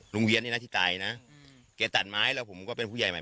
เวียนนี่นะที่ตายนะแกตัดไม้แล้วผมก็เป็นผู้ใหญ่ใหม่